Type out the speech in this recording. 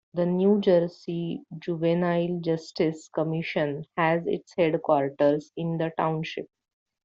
The New Jersey Juvenile Justice Commission has its headquarters in the township.